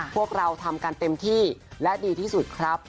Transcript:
พวกเราทำกันเต็มที่และดีที่สุดครับ